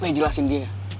lo mau jelasin dia